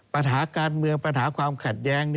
ปัญหาการเมืองปัญหาความขัดแย้ง